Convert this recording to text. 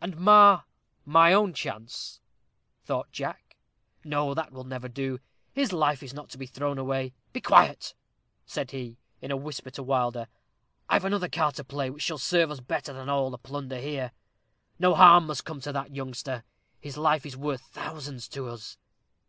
"And mar my own chance," thought Jack. "No, that will never do; his life is not to be thrown away. Be quiet," said he, in a whisper to Wilder; "I've another card to play, which shall serve us better than all the plunder here. No harm must come to that youngster; his life is worth thousands to us."